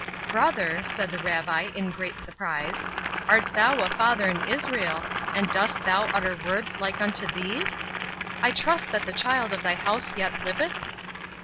"Brother," said the Rabbi, in great surprise, "art thou a father in Israel, and dost thou utter words like unto these?—I trust that the child of thy house yet liveth?"